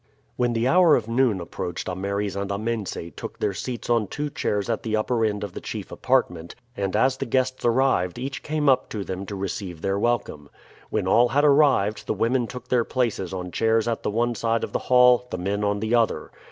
When the hour of noon approached Ameres and Amense took their seats on two chairs at the upper end of the chief apartment, and as the guests arrived each came up to them to receive their welcome. When all had arrived the women took their places on chairs at the one side of the hall, the men on the other.